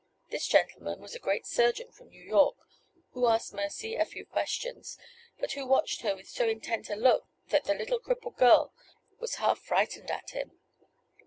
This gentleman was a great surgeon from New York, who asked Mercy a few questions, but who watched her with so intent a look that the little crippled girl was half frightened at him.